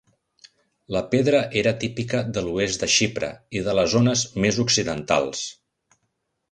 La pedra era típica de l'oest de Xipre i de les zones més occidentals.